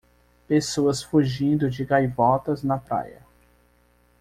Pessoas fugindo de gaivotas na praia.